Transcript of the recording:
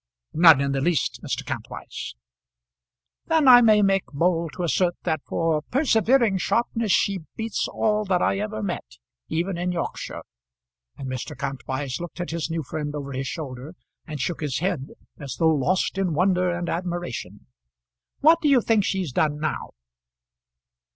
"None in the least, Mr. Kantwise," "Then I may make bold to assert that for persevering sharpness she beats all that I ever met, even in Yorkshire;" and Mr. Kantwise looked at his new friend over his shoulder, and shook his head as though lost in wonder and admiration. "What do you think she's done now?"